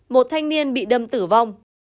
một thanh niên bị đâm tử vong